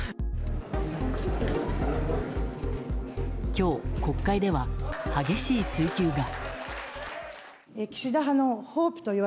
今日、国会では激しい追及が。